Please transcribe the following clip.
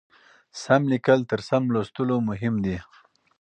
سم لیکل تر سم لوستلو مهم دي.